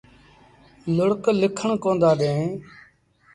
لُڙڪ ليٚکڻ ڪوندآ ڏيݩ۔